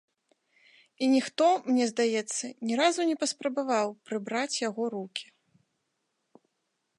І ніхто, мне здаецца, ні разу не паспрабаваў прыбраць яго рукі.